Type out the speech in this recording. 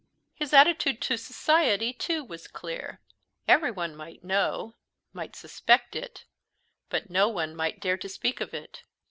His attitude to society, too, was clear. Everyone might know, might suspect it, but no one might dare to speak of it.